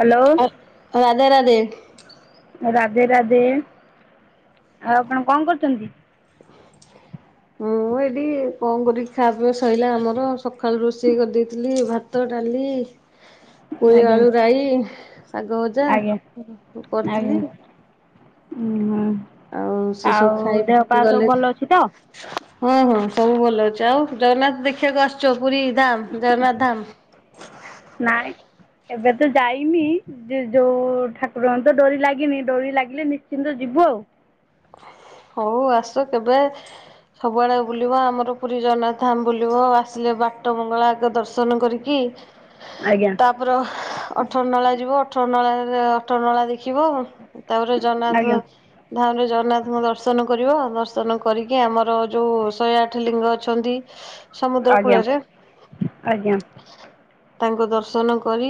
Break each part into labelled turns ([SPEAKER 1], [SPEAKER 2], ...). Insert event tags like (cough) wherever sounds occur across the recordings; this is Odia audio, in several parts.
[SPEAKER 1] ହ୍ୟାଲୋ
[SPEAKER 2] ରାଧେ ରାଧେ।
[SPEAKER 1] ରାଧେ ରାଧେ। ଆଉ ଆପଣ କଣ କରୁଚନ୍ତି?
[SPEAKER 2] ମୁଁ ଏଠି କଣ କରିକି ଖା ପିଅ ସଇିଲା ଆମର ସକାଳୁ ରୋଷେଇ କରିଦେଇଥିଲି ଭାତ ଡାଲି ପୋଇ
[SPEAKER 1] ଆଜ୍ଞା
[SPEAKER 2] ଆଳୁ ରାଇ ଶାଗ ଭଜା କରିଥିଲି।
[SPEAKER 1] ଉୁଁ ହୁଁ
[SPEAKER 2] ଆଉ ସେ ସବୁ
[SPEAKER 1] ଆଉ
[SPEAKER 2] ଖାଇ
[SPEAKER 1] ଦେହ
[SPEAKER 2] ପିଇକି
[SPEAKER 1] ପା ସବୁ
[SPEAKER 2] ଗଲେ
[SPEAKER 1] ଭଲ ଅଛି ତ?
[SPEAKER 2] ହଁ ହଁ ସବୁ ଭଲ ଅଛି। ଆଉ ଜଗନ୍ନାଥ ଦେଖିବାକୁ ଆସିଛ ପୁରୀ ଧାମ ଜଗନ୍ନାଥ ଧାମ?
[SPEAKER 1] ନାଇଁ ଏବେ ତ ଯାଇନି ଯେ ଯୋଉ ଠାକୁର ତ ଡୋରି ଲାଗିନି ଡୋରି ଲାଗିଲେ ନିଶ୍ଚିନ୍ତ ଯିବୁ ଆଉ।
[SPEAKER 2] ହଉ ଆସ କେବେ ସବୁଆଡ଼କୁ ବୁଲିବ ଆମର ପୁରୀ ଜଗନ୍ନାଥ ଧାମ ବୁଲିବ। ଆସିଲେ ବାଟ ମଙ୍ଗଳାଗ ଆଗେ ଦର୍ଶନ କରିକି
[SPEAKER 1] ଆଜ୍ଞା।
[SPEAKER 2] ତାପରେ ଅଠର ନଳା ଯିବ ଅଠର ନଳାରେ ଅଠର ନଳା ଦେଖିବ ଆ ତାପରେ ଜଗନ୍ନାଥ
[SPEAKER 1] ଆଜ୍ଞା
[SPEAKER 2] ଧାମ ରେ ଜଗନ୍ନାଥଙ୍କ ଦର୍ଶ ଦର୍ଶନ କରିବ ଦର୍ଶନ କରିକି ଆମର ଯୋଉ ଶହେ ଆଠ ଲିଙ୍ଗ ଅଛନ୍ତି ସମୁଦ୍ର
[SPEAKER 1] ଆଜ୍ଞା
[SPEAKER 2] କୂଳରେ
[SPEAKER 1] ଆଜ୍ଞା
[SPEAKER 2] ତାଙ୍କୁ ଦର୍ଶନ କରି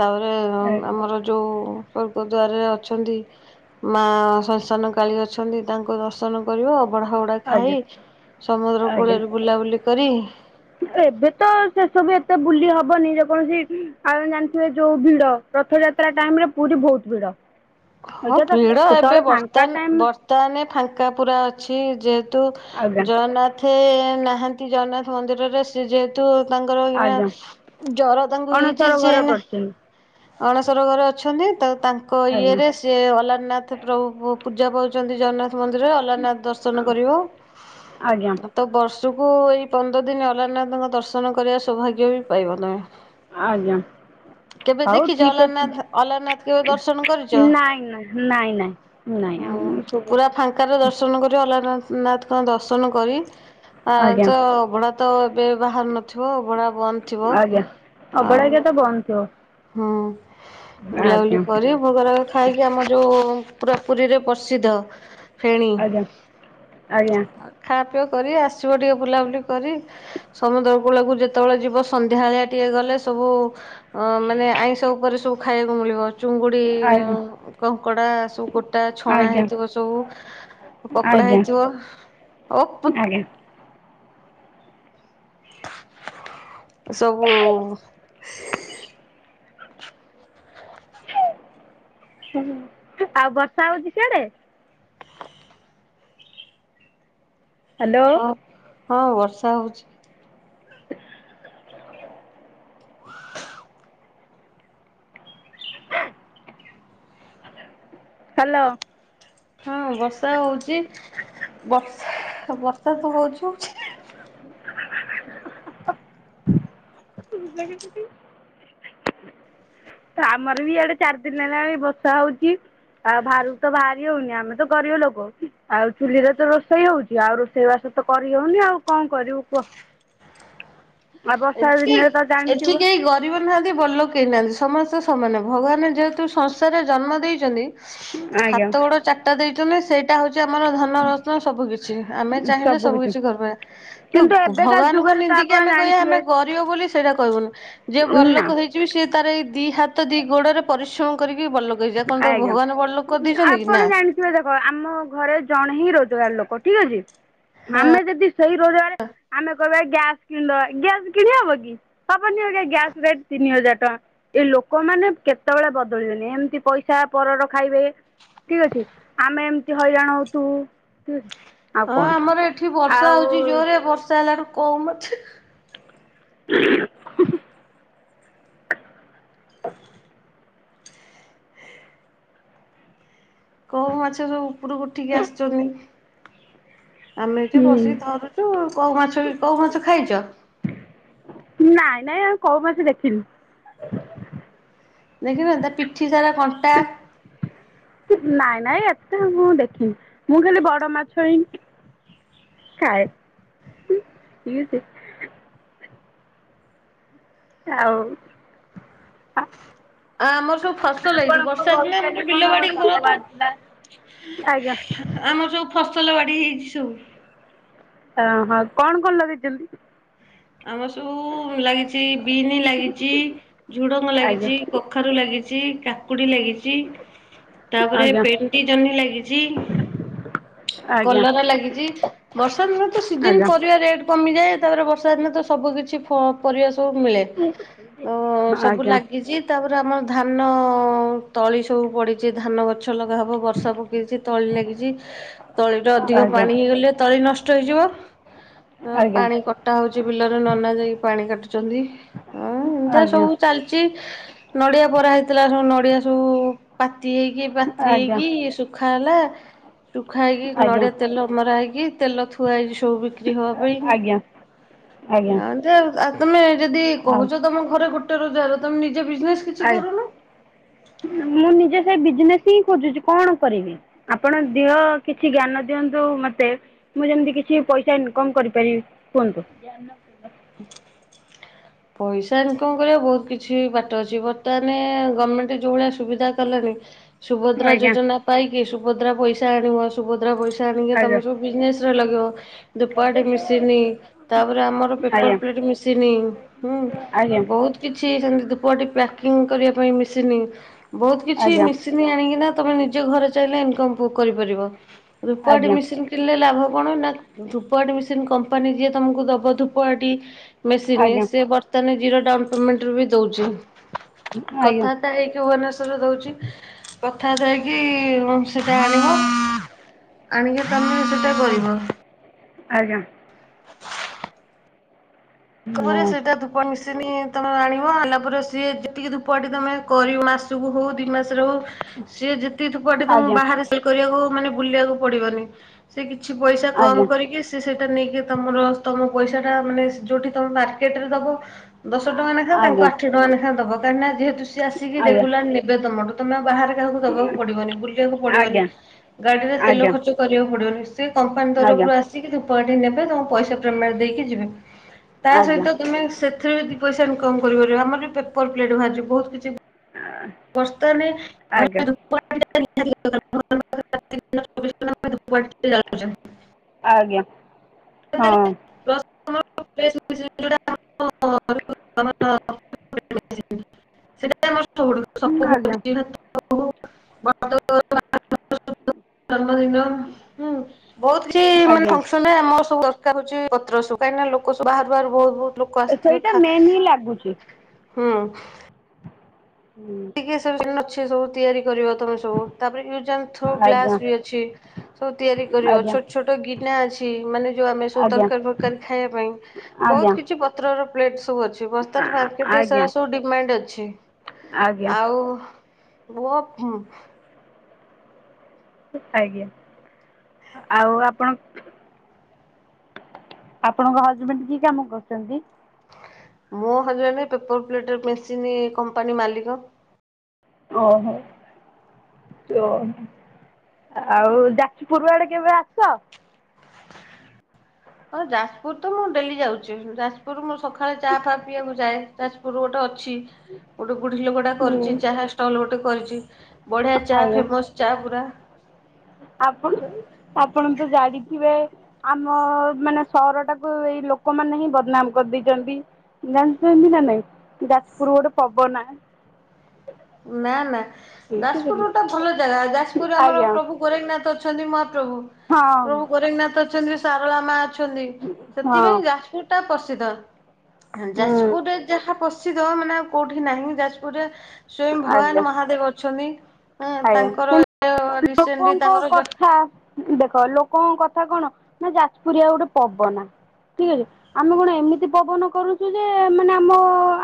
[SPEAKER 2] ତାପରେ
[SPEAKER 1] ଆଜ୍ଞା
[SPEAKER 2] ଆମର ଯୋଉ ସ୍ୱର୍ଗ ଦ୍ୱାରରେ ଅଛନ୍ତି ମା ସଂସ୍ଥାନ କାଳୀ ଅ ଛନ୍ତି ତାଙ୍କୁ ଦର୍ଶନ କରିବ ଅବଢ଼ା ଫବଢ଼ା
[SPEAKER 1] ଆଜ୍ଞା
[SPEAKER 2] ଖାଇ ସମୁଦ୍ର
[SPEAKER 1] ଆଜ୍ଞା
[SPEAKER 2] କୂଳରେ ବୁଲାବୁଲି କରି
[SPEAKER 1] ଏବେ ତ ସେ ସବୁ ଏତେ ବୁଲି ହବନି ଯେକୌଣସି ଆମେ ଜାଣିଥିବେ ଯୋଉ ଭିଡ ରଥଯାତ୍ରା ଟାଇମରେ ପୁରୀ ବହୁତ ଭିଡ଼।
[SPEAKER 2] ହଁ ଭିଡ ଏବେ
[SPEAKER 1] ଫାଙ୍କା
[SPEAKER 2] ବର୍ତମାନ
[SPEAKER 1] ଟାଇମ
[SPEAKER 2] ବର୍ତ ତାହାନେ ଫାଙ୍କା ପୁରା ଅଛି ଯେହେତୁ
[SPEAKER 1] ଆଜ୍ଞା
[SPEAKER 2] ଜଗନ୍ନାଥ ଥେ ନାହାନ୍ତି ଜଗନ୍ନାଥ ମନ୍ଦିରରେ ଯେହେତୁ ତାଙ୍କର ଏଇନା
[SPEAKER 1] ଆଜ୍ଞା
[SPEAKER 2] ଜର ତାଙ୍କୁ ହେଇଛି
[SPEAKER 1] ଅଣସର
[SPEAKER 2] ସେ
[SPEAKER 1] ଘରେ
[SPEAKER 2] ଏନା
[SPEAKER 1] ପଡ଼ିଛନ୍ତି
[SPEAKER 2] ଅଣସର ଘରେ ଅଛନ୍ତି ତ ତାଙ୍କ ଇଏ
[SPEAKER 1] ଆଜ୍ଞା
[SPEAKER 2] ରେ ଯେ ଅଲାରନାଥ ପ୍ରଭୁ ପୂ ପୂଜା ପାଉଛନ୍ତି ଜଗନ୍ନାଥ ମନ୍ଦିରରେ ଅଲାରନଥ ଦର୍ଶନ କରିବ।
[SPEAKER 1] ଆଜ୍ଞା
[SPEAKER 2] ତ ବର୍ଷକୁ ଏଇ ପନ୍ଦର ଦିନ ଅଲାରନାଥଙ୍କ ଦର୍ଶନ କରିବା ସୌଭାଗ୍ୟ ବି ପାଇବ ତମେ।
[SPEAKER 1] ଆଜ୍ଞା
[SPEAKER 2] କେବେ
[SPEAKER 1] ହଉ
[SPEAKER 2] ଦେଖିଛ
[SPEAKER 1] ଠିକ୍ ଅଛି
[SPEAKER 2] ଅଲାରନାଥ ଅଲାରନାଥ କେବେ ଦର୍ଶନ କରିଛ?
[SPEAKER 1] ନାହିଁ ନାହିଁ।
[SPEAKER 2] ହୁଁ ପୁରା ଫାଙ୍କାରେ ଦର୍ଶନ କରି ଅଲାରନାଥଙ୍କ ଦର୍ଶନ କରି ଆ
[SPEAKER 1] ଆଜ୍ଞା
[SPEAKER 2] ଚ ଅଭଡା ତ ଏବେ ବାହାରୁନଥିବ ଅଭଡା ବନ୍ଦ ଥିବ ଆଉ
[SPEAKER 1] କମଥିବ।
[SPEAKER 2] ହୁଁ ବୁଲାବୁଲି କରି ଭୋଗରାଗ ଖାଇକି ଆମ ଯୋଉ ପୁରା ପୁରୀରେ ପ୍ରସିଦ୍ଧ ଫେଣି
[SPEAKER 1] ଆଜ୍ଞା ଆଜ୍ଞା
[SPEAKER 2] ଆ ଖା ପିଆ କରି ଆସିବ ଟିକେ ବୁଲାବୁଲି କରି ସମୁଦ୍ର କୂଳକୁ ଯେତେବେଳେ ଯିବ ସନ୍ଧ୍ୟାଳିଆ ଟିକେ ଗଲେ ସବୁ ଅ ମାନେ ଆଇଁଷ ଉପରେ ସବୁ ଖାଇବାକୁ ମିଳିବ ଅ ଚୁଙ୍ଗୁଡ଼ି
[SPEAKER 1] ଆଜ୍ଞା
[SPEAKER 2] କଙ୍କଡ଼ା ସବୁ ଗୋଟା ଛଣା
[SPEAKER 1] ଆଜ୍ଞା
[SPEAKER 2] ହେଇଥିବ ସବୁ ପକୋଡା
[SPEAKER 1] ଆଜ୍ଞା
[SPEAKER 2] ହେଇଯିବ ଓ ପୁତ
[SPEAKER 1] ଆଜ୍ଞା
[SPEAKER 2] ସବୁ
[SPEAKER 1] ହୁଁ ଆଉ ବର୍ଷା ହୋଉଛି ସିଆଡେ? ହ୍ୟାଲୋ
[SPEAKER 2] ହଁ ହଁ ବର୍ଷା ହୋ।
[SPEAKER 1] ହ୍ୟାଲୋ।
[SPEAKER 2] ହଁ ବର୍ଷା ହୋଉଛି ବର୍ଷା ବର୍ଷା ତ ହୋଉଛି।
[SPEAKER 1] (unintelligible) ତ ଆମର ବି ଇଆଡେ ଚାରି ଦିନ ହେଲାଣି ବର୍ଷା ହୋଉଛି। ଆଉ ବାହାରକୁ ତ ବାହାରି ହଉନି ଆମେ ତ ଗରିବ ଲୋକ ଆଉ ଚୁଲିରେ ତ ରୋଷେଇ ହଉଛି ଆଉ ରୋଷେଇବାସ ତ କରିହୋଉନି ଆଉ କଣ କରିବୁ କୁହ। ଆଉ ବର୍ଷା
[SPEAKER 2] ଏଠି କେହି
[SPEAKER 1] ଦିନରେ ତ ଜାଣିଥିବ
[SPEAKER 2] ଏଠି କେହି ଗ ରିବ ନାହାନ୍ତି ବଡ଼ ଲୋକ କେହିନାହାନ୍ତି। ସମସ୍ତେ ସମାନେ ଭଗବାନ ଯେହେତୁ ସଂସାରେ ଜନ୍ମ ଦେଇଛନ୍ତି
[SPEAKER 1] ଆଜ୍ଞା
[SPEAKER 2] ହାତ ଗୋଡ ଚାରିଟା ଦେଇଛନ୍ତି ସେଇ ଟା ହୋଉଛି ଆମର ଧନରତ୍ନ ସବୁ କିିଛି ଆମେ ଚାହିଁଲେ ସବୁ କିିଛି କରିପାରିବା। ତ
[SPEAKER 1] କିନ୍ତୁ
[SPEAKER 2] ଗ
[SPEAKER 1] ଏବେକା
[SPEAKER 2] ଭଗବାନଙ୍କୁ
[SPEAKER 1] ଯୁଗରେ ତ
[SPEAKER 2] ନିନ୍ଦିକି
[SPEAKER 1] ଆପଣ
[SPEAKER 2] ଆମେ କହିବା ଆମେ
[SPEAKER 1] ଜାଣିଥିବେ
[SPEAKER 2] ଗରିବ ବୋଲି ସେଇଟା କହିବୁନୁ ଯିଏ
[SPEAKER 1] ନା
[SPEAKER 2] ବଡଲୋକ ହେଇକି ଜି ବି ସେ ତାର ଏଇ ଦି ହାତ ଦି ଗୋଡରେ ପରିଶ୍ରମ କରିକି ବଡ଼ଲୋକ କହିଚି ପା କଣ ତ
[SPEAKER 1] ଆଜ୍ଞା।
[SPEAKER 2] ଭଗବାନ ବଡଲୋକ କରିଦେଇଛନ୍ତିକି
[SPEAKER 1] ଆପଣ
[SPEAKER 2] ନା
[SPEAKER 1] (unintelligible) ଦେଖ ଆମ ଘରେ ଜଣେ ହିଁ ରୋଜଗାର ଲୋକ ଠିକ ଅଛି ଆମେ ଯେଦି ସେଇ ରୋଜଗାରେ ଆମେ କହିବା ଗ୍ୟାସ୍ କିଣି ଦବା ଗ୍ୟାସ୍ କିଣି ହବ କି? ହବନି ଆଜ୍ଞା ଗ୍ୟାସ୍ ରେଟ ତିନି ହଜାର ଟଙ୍କା ଏଇ ଲୋକମାନେ କେତେବେଳେ ବଦଳିବେନି ଏମିତି ପଇସା ପରର ଖାଇବେ ଠିକ୍ ଅଛି ଆମେ ଏମିତି ହଇରାଣ ହଉତୁଉ ଠିକ୍ ଅଛି। ଆଉ
[SPEAKER 2] ହଁ
[SPEAKER 1] କଣ?
[SPEAKER 2] ଆମର ଏଠି ବର୍ଷା
[SPEAKER 1] ଆଉ
[SPEAKER 2] ହଉଚି ଜୋରରେ ବର୍ଷା ହେଲାଠୁ କୋଉ ମାଛ କୋଉ ମାଛ ସବୁ ଉପରକୁ ଉଠିକି ଆସିଚନ୍ତି। ଆମେ ଏଠି ବସିକି
[SPEAKER 1] ହୁଁ
[SPEAKER 2] ଧରୁଚୁ କୋଉ ମାଛ ବି କୋଉ ମାଛ ଖାଇଚ?
[SPEAKER 1] ନାଇଁ ନାଇଁ ଆମେ କୋଉ ମାଛ ଦେଖିନୁ।
[SPEAKER 2] ଦେଖିନ ତା ପିଠି ସାରା କ
[SPEAKER 1] ହ ନାଇଁ ନାଇଁ ଏତେ ମୁଁ ଦେଖିନି ମୁଁ ଖାଲି ବଡ ମାଛ ହେଇଁ ଖାଏ। (unintelligible) ତାଉ (unintelligible)
[SPEAKER 2] ଆମର ସବୁ ଫସଲ ହେଇଛି
[SPEAKER 1] ଆପଣଙ୍କ
[SPEAKER 2] ବର୍ଷା ଦିନ
[SPEAKER 1] ଘରୁ
[SPEAKER 2] ଆମର
[SPEAKER 1] କାଲି
[SPEAKER 2] ବିଲ
[SPEAKER 1] କଣ
[SPEAKER 2] ବାଡି
[SPEAKER 1] ସାପ
[SPEAKER 2] ଘର ତ
[SPEAKER 1] ବାହାରଥିଲା? ଆଜ୍ଞା।
[SPEAKER 2] ଆମର ଯୋଉ ଫସଲ ବାଡ଼ି ହେଇଚି ସବୁ।
[SPEAKER 1] ଆଉ ହ କଣ କଣ ଲଗେଇଚନ୍ତିି?
[SPEAKER 2] ଆମ ସବୁ ଲାଗିଚି ବିନି ଲାଗିଚି ଝୁଡଙ୍ଗ
[SPEAKER 1] ଆଜ୍ଞା
[SPEAKER 2] ଲାଗିଚି କଖାରୁ ଲାଗିଚି କା କୁଡି ଲାଗିଚି ତାପରେ
[SPEAKER 1] ଆଜ୍ଞା
[SPEAKER 2] ପେଣ୍ଟି ଜହ୍ନି ଲାଗିଚି।
[SPEAKER 1] ଆଜ୍ଞା
[SPEAKER 2] କଲରା ଲାଗିଚି ବର୍ଷା ଋତୁ ସିଜିନ୍
[SPEAKER 1] ଆଜ୍ଞା
[SPEAKER 2] ପରିବା ରେଟ୍ କମିଯାଏ ତାପରେ ବର୍ଷା ଦିନେ ତ ସବୁ କିିଛି ଫ ପରିବା ସବୁ ମିଳେ। ତ ସବୁ
[SPEAKER 1] ଆଜ୍ଞା।
[SPEAKER 2] ଲାଗିଛି ତାପରେ ଆମର ଧାନ ତଳି ସବୁ ପଡ଼ିଚି ଧାନ ଗଛ ଲଗା ହବ। ବର୍ଷା ପକେଇଚି ତଳି ଲାଗିଚି ତଳିରେ ଅଧିକ
[SPEAKER 1] ଆଜ୍ଞା
[SPEAKER 2] ପାଣି ହେଇଗଲେ ତଳି ନଷ୍ଟ ହେଇଯିବ। ତ
[SPEAKER 1] ଆଜ୍ଞା ଆଜ୍ଞା
[SPEAKER 2] ପାଣି କ ଟା ହଉଚି ବିଲରେ ନନା ଯାଇକି ପାଣି କାଟୁଚନ୍ତି ହଁ ଏମିତିଆ ସବୁ ଚାଲଚି। ନଡ଼ିଆ ବରା ହେଇଥିଲା ସବୁ ନଡିଆ ସବୁ ପାତି ହେଇକି ପାତ୍ରି
[SPEAKER 1] ଆଜ୍ଞା ଆଜ୍ଞା।
[SPEAKER 2] ହେଇକି ସୁ ଖା ହେଲା। ସୁୁଖା ହେଇକି
[SPEAKER 1] ଆଜ୍ଞା
[SPEAKER 2] ନଡିଆ ତେଲ ମରା ହେଇକି ତେଲ ଥୁଆ ହେଇଚି ସବୁ ବିକ୍ରି ହବା ପାଇଁ।
[SPEAKER 1] ଆଜ୍ଞା
[SPEAKER 2] ଆଉ ତେ ଆ ତମେ ଯେଦି
[SPEAKER 1] ଆଉ
[SPEAKER 2] କହୁଛ ତମ ଘରେ ଗୋ ଟ ରୋଜଗାର ତମେ ନିଜେ ବିଜନେସ୍ କିଛି
[SPEAKER 1] ଆଜ୍ଞା।
[SPEAKER 2] କରୁନ?
[SPEAKER 1] ମୁଁ ନିଜେ ସେଇ ବିଜନେସ୍ ହିଁ ଖୋଜୁଚି କଣ କରିବି। ଆପଣ ଦିଅ କିଛି ଜ୍ଞାନ ଦିଅନ୍ତୁ ମତେ। ମୁଁ ଯେମିତି କିଛି ପଇସା ଇନ୍‌କମ୍ କରିପାରିବି କୁହନ୍ତୁ।
[SPEAKER 2] ହ ପଇସା ଇନକମ୍ କରିବା ବହୁତ କିଛି ବାଟ ଅଛି ବର୍ତ୍ତଆନେ ଗମେଣ୍ଟେ ଯୋଉ ଭଳିଆ ସୁବିଧା କଲେଣି। ସୁଭଦ୍ରା
[SPEAKER 1] ଆଜ୍ଞା
[SPEAKER 2] ଯୋଜନା ପାଇକି ସୁଭଦ୍ରା ପଇସା ଆଣିବ ସୁଭଦ୍ରା ପଇସା ଆଣିକି
[SPEAKER 1] ଆଜ୍ଞା।
[SPEAKER 2] ତମେ ସବୁ ବିଜନେସ୍ ରେ ଲଗେଇବ ଧୂପଆଟି ମିସିନ ତାପରେ ଆମର ପେ ପର ପ୍ଲେଟ୍
[SPEAKER 1] ଆଜ୍ଞା
[SPEAKER 2] ମିଶିନି ହୁଁ
[SPEAKER 1] ଆଜ୍ଞା
[SPEAKER 2] ବହୁତ୍ କିଛି ସେମିତି ଧୂପଆଟି ପ୍ୟାକିଂ କରିବା ପାଇଁ ମିଶିନି ବହୁତ କିଛି ମିଶ୍ ନି ଆଣିକିନା ତମେ ନିଜ ଘରେ ଚାଇଁଲେ ଇନ୍‌କମ୍ ପ କରିପାରିବ ଧୂପଆଟି
[SPEAKER 1] ଆଜ୍ଞା
[SPEAKER 2] ମିସିନ୍ କିଣିଲେ ଲାଭ କଣ ନା ଧୂପଆଟି ମିସିନ୍ କମ୍ପାନୀ ଯିଏ ତମକୁ ଦବ ଧୂପଆଟି ମେସିନି
[SPEAKER 1] ଆଜ୍ଞା
[SPEAKER 2] ସିଏ ବର୍ତ୍ତଆନେ ଜିରୋ ଡାଉନ୍ ପେମେଣ୍ଟରେ ବି ଦଉଚି।
[SPEAKER 1] ଆଜ୍ଞା
[SPEAKER 2] କଥାଆର୍ତ୍ତା ହେଇକି ଭୁବନେଶ୍ୱରରେ ଦଉଚି। କଥାଆର୍ତ୍ତ ହେଇକି (unintelligible) ସେଟା ଆଣିବ। ଆଣିକି ତମେ ସେଟା କରିବ।
[SPEAKER 1] ଆଜ୍ଞା।
[SPEAKER 2] ଘରେ
[SPEAKER 1] ମୁଁ
[SPEAKER 2] ସେଟା ଧୁ ଧୂପ ମିଶନି ତମେ ଆଣିବ ଆଣଲା ପରେ ସିଏ ଯେତିକି ଧୂପକାଠି ତମେ କରିବ ମାସକୁ ହଉ ଦି ମାସରେ ହଉ ସିଏ ଯେତିକି ଧୂପ କାଠି ତମକୁ
[SPEAKER 1] ଆଜ୍ଞା
[SPEAKER 2] ବାହାରେ ସେ କରିବାକୁ ମାନେ ବୁଲିବାକୁ ପଡିବନି। ସେ କିଛି ପଇସା କମ
[SPEAKER 1] ଆଜ୍ଞା
[SPEAKER 2] କରିକି ସେ ସେଇଟା ନେଇକି ତମର ତମ ପଇସା ଟା ମାନେ ଯୋଉଠି ତମେ ମାର୍କେଟ ରେ ଦବ ଦଶ ଟଙ୍କାନେଖାଁ ତାଙ୍କୁ
[SPEAKER 1] ଆଜ୍ଞା
[SPEAKER 2] ଆଠ ଟଙ୍କାେଖାଁ ଦବା କାହିଁକିନା ଯେହେତୁ ଆସିକି
[SPEAKER 1] ଆଜ୍ଞା
[SPEAKER 2] ରେଗୁଲାର ନେବେ ତମଠୁ ତମେ ଆଉ ବାହାରେ ତାକୁ ଦବାକୁ ପଡିବନି। ବୁଲିବାକୁ ପଡିବନି।
[SPEAKER 1] ଆଜ୍ଞା
[SPEAKER 2] ଗାଡିରେ ତେଲ
[SPEAKER 1] ଆଜ୍ଞା
[SPEAKER 2] ଖର୍ଚ୍ଚ କରିବାକୁ ପଡିବନି। ସେ କମ୍ପାନୀ ତରଫରୁ
[SPEAKER 1] ଆଜ୍ଞା
[SPEAKER 2] ଆସିକି ଧୂପ କାଠି ନେବେ ତମ ପଇସା ପେମେଣ୍ଟ ଦେଇକି ଯିବେ। ତା
[SPEAKER 1] ଆଜ୍ଞା
[SPEAKER 2] ସହିତ ତମେ ସେଥିରେ ବି ଦି ପଇସା ଇନକମ୍ କରିପାରିବ। ଆମର ବି ପେପର ପ୍ଲେଟ ବାହାରିିଛି ବହୁତ କିଛି
[SPEAKER 1] ଆଁ
[SPEAKER 2] ବସ୍ତା ନେ ଘରେ ଖାଇଦବୁ। (unintelligible)
[SPEAKER 1] ଆଜ୍ଞା। ହଁ
[SPEAKER 2] (unintelligible) (unintelligible) ସେଟା (unintelligible)
[SPEAKER 1] ଆଜ୍ଞା
[SPEAKER 2] (unintelligible) ଜନ୍ମଦିନ। ହୁଁ ବହୁତ କିଛି ମାନେ
[SPEAKER 1] ଆଜ୍ଞା
[SPEAKER 2] ଫନ୍‌ସନ୍‌ ରେ ଆମ ସବୁ ଦରକାର ହୋଉଚି ପତ୍ର ସବୁ କାହିଁକ ନା ଲୋକ ସବୁହହାର ବାହାରୁ ବହୁତ ବହୁତ ଲୋକ ଆସିଥିବେ
[SPEAKER 1] ସେଇଟା
[SPEAKER 2] ଖା
[SPEAKER 1] ମେନ୍ ହିଁ ଲାଗୁଛି।
[SPEAKER 2] ହୁଁ।
[SPEAKER 1] ହୁଁ।
[SPEAKER 2] ଟିକେ ସବୁ ଅଛି ସବୁ ତିଆରି କରିବ ତମେ ସବୁ ତାପରେ ୟୁ ଆଣ୍ଡ ଥୋ
[SPEAKER 1] ଆଜ୍ଞା
[SPEAKER 2] ଗ୍ଲାସ ବି ଅଛି। ସବୁ ତିଆରି କରିବ
[SPEAKER 1] ଆଜ୍ଞା
[SPEAKER 2] ଛୋଟ ଛୋଟ ଗିନା ଅଛି। ମାନେ ଯେଉଁ ଆମେ ସବୁ
[SPEAKER 1] ଆଜ୍ଞା
[SPEAKER 2] ତରକାରୀ ଫରକାରୀ ଖାଇବା ପାଇଁ।
[SPEAKER 1] ଆଜ୍ଞା
[SPEAKER 2] ବହୁତ କିଛି ପତ୍ରର ପ୍ଲେଟ ସବୁ ଅଛି ବସ୍ ମାର୍କେଟରେ ସା
[SPEAKER 1] ଆଜ୍ଞା
[SPEAKER 2] ସବୁ ଡିମାଣ୍ଡ ଅଛି।
[SPEAKER 1] ଆଜ୍ଞା
[SPEAKER 2] ଆଉ ବୁଅ
[SPEAKER 1] ଆଜ୍ଞା ଆଉ ଆପଣ ଆପଣଙ୍କ ହଜବେଣ୍ଡ କିଏ କାମ କରୁଛନ୍ତି।
[SPEAKER 2] ମୁଁ husband paper plate machine company ମାଲିକ।
[SPEAKER 1] ଓହୋ। ଓ ଆଉ ଯାଛି ପୂର୍ ଆଡେ କେବେ ଆସ?
[SPEAKER 2] ହଁ ଯାଜପୁର ତ ମୁଁ ଡେଲି ଯାଉଛି ଯାଜପୁର। ଯାଜପୁର ମୁଁ ସକାଳେ ଚା ଫା ପିଇକୁ ଯାଏ ଯାଜପୁର ଗୋଟେ ଅଛି। ଗୋଟେ ବୁଢ଼ୀ ଲୋକ ଟା
[SPEAKER 1] ହୁଁ
[SPEAKER 2] କରୁଛି ଚାହା। ଷ୍ଟଲ୍ ଗୋଟେ କରିଛି ବଢିଆ ଚା
[SPEAKER 1] ଆଜ୍ଞା
[SPEAKER 2] ଫେମସ୍ ଚା ପୁରା।
[SPEAKER 1] ଆପଣ ଆପଣ ତ ଜାଣିଥିବେ। ଆମ ମାନେ ସହର ଟାକୁ ଏଇ ଲୋକମାନେ ହିଁ ବଦନାମ କରିଦେଇଛନ୍ତି। ଜାଣିଛନ୍ତି ନା ନାଇଁ ଯାଜପୁର ଗୋଟେ ପବନା।
[SPEAKER 2] ନା ନା।
[SPEAKER 1] ଠିକ
[SPEAKER 2] ଯାଜପୁର ଗୋଟେ
[SPEAKER 1] ଅଛି
[SPEAKER 2] ଭଲ ଜାଗା ଯାଜପୁର ରେ ଆମର
[SPEAKER 1] ଆଜ୍ଞା
[SPEAKER 2] ପ୍ରଭୁ ଗୋରେଖନାଥ ଅଛନ୍ତି ମହାପ୍ରଭୁ।
[SPEAKER 1] ହଁ।
[SPEAKER 2] ପ୍ରଭୁ ଗୋରେଙ୍ଖ୍ ନାଥ ଅଛନ୍ତି। ସାରଳା ମା ଅଛନ୍ତି।
[SPEAKER 1] ହଁ
[SPEAKER 2] ସେଥିପାଇଁ ଯାଜପୁର ଟା ପ୍ରସିଦ୍ଧ।
[SPEAKER 1] ହୁଁ
[SPEAKER 2] ଯାଜପୁରରେ ଯାହା ପ୍ରସିଦ୍ଧ ମାନେ କୋଉଠି ନାହିଁ। ଯାଜପୁର ରେ ସ୍ଵୟଂ
[SPEAKER 1] ଆଜ୍ଞା
[SPEAKER 2] ଭଗବାନ ମହାଦେବ ଅଛନ୍ତି। ହଁ
[SPEAKER 1] ଆଜ୍ଞା
[SPEAKER 2] ତାଙ୍କର
[SPEAKER 1] କିନ୍ତୁ
[SPEAKER 2] ରସେଣ୍ଟଲି
[SPEAKER 1] ଲୋକଙ୍କ
[SPEAKER 2] ତାଙ୍କର
[SPEAKER 1] କଥା ଦେଖ ଲୋକଙ୍କ କଥା କଣ ନା ଯାଜପୁରଆ ଗୋଟେ ପବନା। କିଏ ଆମେ କଣ ଏମିତି ପବନ କରୁଛୁ ଯେ ମାନେ ଆମ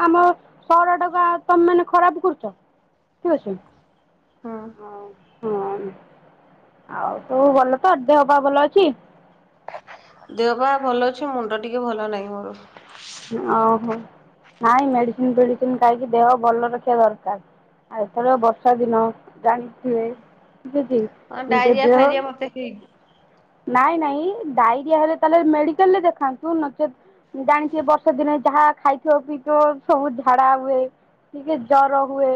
[SPEAKER 1] ଆମ ସହର ଟାକୁ ତମେ ମାନେ ଖରାପ କରୁଛ ଠିକ୍ ଅଛି।
[SPEAKER 2] ହଁ
[SPEAKER 1] ଆଉ ହଁ ଆଉ ସବୁ ଭଲ ତ ଦେହ ପା ଭଲ ଅଛି।
[SPEAKER 2] ଦେହ ପାହା ଭଲ ଅଛି। ମୁଣ୍ଡ ଟିକେ ଭଲ ନାହିଁ ମୋର।
[SPEAKER 1] ଓହୋ ନାଇଁ ମେଡ଼ିସିନ ଫେଡ଼ିସିନ ଖାଇକି ଦେହ ଭଲ ରଖିବା ଦରକାର। ଆଉ ଏଥର ବର୍ଷା ଦିନ ଜାଣିଥିବେ।
[SPEAKER 2] ହଁ
[SPEAKER 1] ନିଜ
[SPEAKER 2] ଡାଇରିଆ
[SPEAKER 1] ଦେହ
[SPEAKER 2] ଫାଇରିଆ ମତେ ହେଇନି।
[SPEAKER 1] ନାଇଁ ନାଇଁ ଡ଼ାଇରିଆ ହେଲେ ତା'ହେଲେ ମେଡ଼ିକାଲ୍ ରେ ଦେଖାନ୍ତୁ। ନଚେତ୍ ଜାଣିଥିବେ ବର୍ଷା ଦି ଯାହା ଖାଇଥିବ, ପିଇଥିବ ସବୁ ଝାଡ଼ା ହୁଏ। ଟିକେ ଜର ହୁଏ।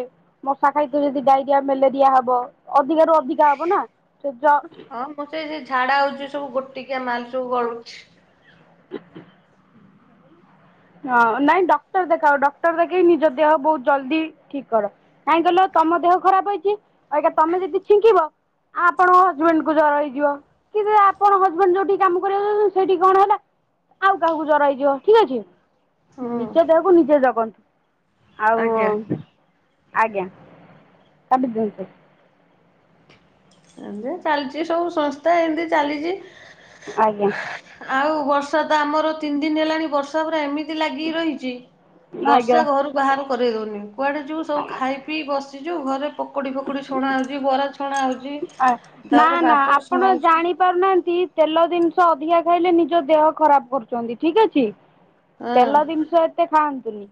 [SPEAKER 1] ମଶା ଖାଇ ଥିବ ଯଦି ଡ଼ାଇରିଆ, ମେଲେରିଆ ହବ, ଅଧିକା ରୁ ଅଧିକା ହବ ନା। ସେ ଜ
[SPEAKER 2] ହଁ ମୁଁ ସେ ସେ ଝାଡ଼ା ହଉଚି, ସବୁ ଗୋଟିକିଆ ମାଲ୍‌ ସବୁ ଗଳୁଛି।
[SPEAKER 1] (unintelligible) ହଁ ନାଇଁ ଡକ୍ଟର୍ ଦେଖାଅ, ଡକ୍ଟର୍ ଦେଖେଇ ନିଜ ଦେହ ବହୁତ୍ ଜଲ୍ଦି ଠିକ୍ କର। କାଇଁ କହିଲ ତମ ଦେହ ଖରାପ୍ ହେଇଚି, ଇଟା ତମେ ଯଦି ଛିଙ୍କିବ। ଆପଣ ହଜବେଣ୍ଟ୍ କୁ ଜର ହେଇଯିବ। କି ଆପଣ ହଜବେଣ୍ଟ୍ ଯଉଠିକି କାମ କରିବାକୁ ଯାଉଚନ୍ତି, ସେଇଠି କଣ ହେଲା ଆଉ କାହାକୁ ଜର ହେଇଯିବ ଠିକ୍ ଅଛି।
[SPEAKER 2] ହୁଁ
[SPEAKER 1] ନିଜ ଦେହକୁ ନିଜେ ଜଗନ୍ତୁ।
[SPEAKER 2] ଆଜ୍ଞା।
[SPEAKER 1] ଆଉ (inaudible)
[SPEAKER 2] ଚାଲ୍ଚି ସବୁ ସଂସ୍ଥା ଏମ୍ତି ଚାଲିଚି।
[SPEAKER 1] ଆଜ୍ଞା।
[SPEAKER 2] ଆଉ ବର୍ଷା ତ ଆମର ତିନି ଦିନ୍‌ ହେଲାଣି। ବ ଏମିତି ଲାଗିିକି ରହିଚି,
[SPEAKER 1] ଆଜ୍ଞା
[SPEAKER 2] ବର୍ଷା ଘରୁ ବାହାର କରେଇ ଦଉନି। କୁଆଡ଼େ ଯିବୁ, ସବୁ ଖାଇ ବିି ବସିଚୁ, ଘରେ ପକୁଡ଼ି ଫକୁଡ଼ି ଛଣା ହଉଚି, ବରା ଛଣା ହଉଚି।
[SPEAKER 1] ନା ନା ଆପଣ ଜାଣି ପାରୁନାହାନ୍ତି, ତେଲ ଦିନ୍‌ଷ ଅଧିକା ଖାଇଲେ ନିଜ ଦେହ ଖରାପ୍ କରୁଚନ୍ତି। ଠିକ୍ ଅଛି।
[SPEAKER 2] ହଁ।
[SPEAKER 1] ତେଲ ଜିନ୍‌ଷ ଏତେ ଖାଆନ୍ତୁନି,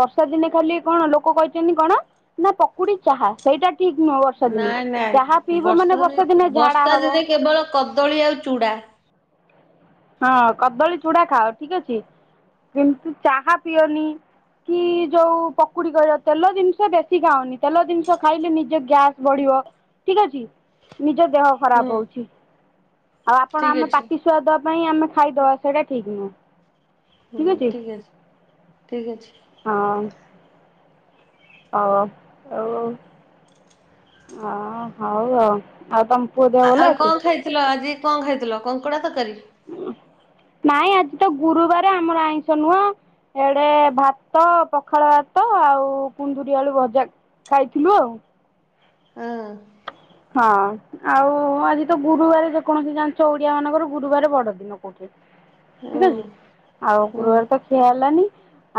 [SPEAKER 1] ବର୍ଷା ଦିନେ ଖାଲି କ'ଣ ଲୋକ କହିଚନ୍ତି କ'ଣ ନା ପକୁଡ଼ି। ଚାହା ସେଇଟା ଠିକ୍ ନୁହଁ ବର୍ଷା ଦିନେ।
[SPEAKER 2] ନାଇଁ
[SPEAKER 1] ଚାହା
[SPEAKER 2] ନାଇଁ
[SPEAKER 1] ପିଇବ ମାନେ
[SPEAKER 2] ବର୍ଷା ରେ,
[SPEAKER 1] ଦିନେ ଝାଡା
[SPEAKER 2] ବର୍ଷା
[SPEAKER 1] ହବ
[SPEAKER 2] ଦିନେ କେବଳ କଦଳୀ ଆଉ ଚୁଡ଼ା।
[SPEAKER 1] ହଁ କଦଳୀ, ଚୁଡ଼ା ଖାଅ ଠିକ୍ ଅଛି କିନ୍ତୁ ଚାହା ପିଅନି। କି ଯଉ ପକୁଡ଼ି କହି, ତେଲ ଦିନ୍‌ଷ ବେଶି ଖାଅନି। ତେଲ ଦିନ୍‌ଷ ଖାଇଲେ ନିଜ ଗ୍ୟାସ୍ ବଢ଼ିବ। ଠିକ୍ ଅଛି, ନିଜ ଦେହ
[SPEAKER 2] ହୁଁ
[SPEAKER 1] ଖରାପ୍ ହଉଚି। ଆଉ ଆପଣ
[SPEAKER 2] ଠିକ
[SPEAKER 1] ଆମ
[SPEAKER 2] ଅଛି
[SPEAKER 1] ପାଟି ସୁୁଆ ପାଇଁ ଆମେ ଖାଇ ଦବା, ସେଇଟା ଠିକ୍ ନୁହୁଁ।
[SPEAKER 2] ହୁଁ, ଠିକ୍ ଅଛି ଠିକ୍ ଅଛି।
[SPEAKER 1] ହଁ! (inaudible) (inaudible)
[SPEAKER 2] ଆଉ ଙ୍କ
[SPEAKER 1] ଅଛି
[SPEAKER 2] ଖାଇଥିଲ, ଆଜି ଙ୍କ ଖାଇଥିଲ? କଙ୍କଡ଼ା ତକାରି।
[SPEAKER 1] ନାଇଁ ଆଜି ତ ଗୁରୁବାରେ ଆମର ଆଇଁଷ ନୁହଁ। ଏଆଡ଼େ ଭାତ ପଖାଳ ଭାତ ଆଉ କୁନ୍ଦୁରି ଆଳୁ ଭଜା। ଖାଇ ଥିଲୁ ଆଉ।
[SPEAKER 2] (inaudible)
[SPEAKER 1] ଆଉ ଆଜି ତ ଗୁରୁବାରେ, ଯେକୌଣସି ଯାଣ୍ଚ ଓଡ଼ିଆ ମାନଙ୍କର ଗୁରୁବାର ବଡ଼ ଦି ଠିକ୍
[SPEAKER 2] ହୁଁ
[SPEAKER 1] ଅଛି, ଆଉ
[SPEAKER 2] ହୁଁ
[SPEAKER 1] ଗୁରୁବାରେ ତ ଖିଆ ହେଲାନି।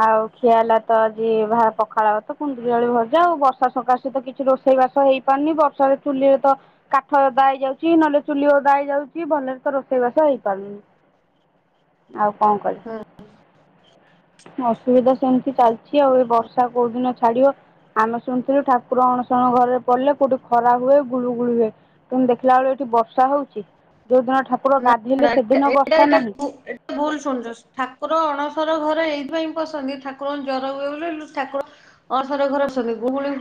[SPEAKER 1] ଆଉ ଖିଆ ହେଲା ତ ଆଜି ଭା ପଖାଳ ଭାତ, କୁନ୍ଦୁରି ଆଳୁ ଭଜା ଆଉ। ବର୍ଷା ସକାସେ ତ କି ଛି, ରୋଷେଇ ବାସ ହେଇ ପା--ନି। ବର୍ଷାରେ ଚୁଲିରେ ତ କାଠ ଓଦା ହେଇଯାଉଚି, ନହେଲେ ଚୁଲି ଓଦା ହେଇ ଯାଉଚି, ଭଲରେ ତ ରୋଷେଇ ବାସ ହେଇପାରୁନି।
[SPEAKER 2] ହଁ।
[SPEAKER 1] (inaudible) ଅସୁବିଧା ସେମ୍ତି ଚାଲ୍ଚି ଆଉ। ଏ--ବର୍ଷା କଉ ଦିନ ଛାଡ଼ିବ? ଆମେ ଶୁଣ୍ ଥିଲୁ ଠାକୁର ଅଣସଣ ଘର୍ ରେ ପଡ୍‌ଲେ କଉଟି ଖରା ହୁଏ। ଗୁଳୁଗୁଳି ହୁଏ, ଦେଖିଲା ଳେ ଏଇଠି ବର୍ଷା ହଉଚି। ଯଉ ଦିନ ଠାକୁର ଗାଧେଇଲେ ସେଦିନ ବର୍ଷା ନାହିଁ।
[SPEAKER 2] ଭୁଲ୍‌ ଶୁ--ଚ, ଠାକୁର ଅଣସର ଘରେ ଏଇଥି ପାଇଁ ପସନ୍ତି ଠାକୁରଙ୍କୁ ଜର ହୁଏ ବୋଲି। ଠାକୁର (inaudible)